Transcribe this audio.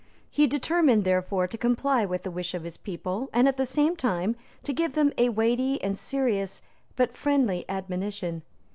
He determined, therefore, to comply with the wish of his people, and at the same time to give them a weighty and serious but friendly admonition.